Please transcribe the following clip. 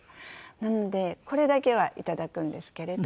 なのでこれだけは頂くんですけれど。